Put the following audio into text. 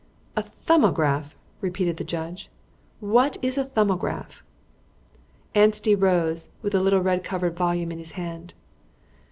'" "A 'Thumbograph'?" repeated the judge. "What is a 'Thumbograph'?" Anstey rose with the little red covered volume in his hand.